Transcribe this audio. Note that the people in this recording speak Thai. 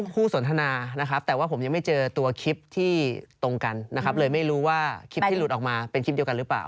คู่สนทนานะครับแต่ว่าผมยังไม่เจอตัวคลิปที่ตรงกันนะครับเลยไม่รู้ว่าคลิปที่หลุดออกมาเป็นคลิปเดียวกันหรือเปล่า